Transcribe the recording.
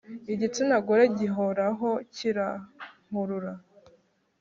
Igitsina gore gihoraho kirankurura